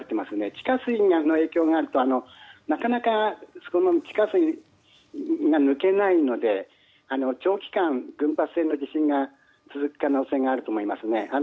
地下水の影響があるとなかなか地下水が抜けないので長期間、群発性の地震が続く可能性があると思いますね。